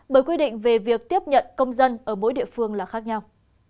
bởi quy định về việc tiếp nhận công dân ở mỗi địa phương là khác nhau